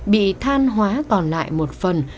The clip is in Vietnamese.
bị than hóa còn lại một phần